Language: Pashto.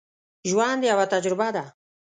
ژوند یوه تجربه ده